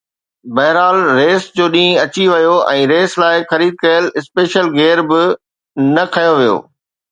بهرحال ريس جو ڏينهن اچي ويو ۽ ريس لاءِ خريد ڪيل اسپيشل گيئر به نه کنيو ويو.